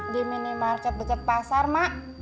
di minimarket beket pasar ma